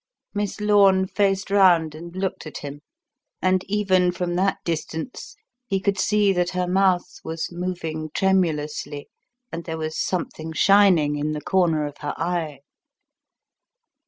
Miss Lorne faced round and looked at him; and even from that distance he could see that her mouth was moving tremulously and there was something shining in the corner of her eye.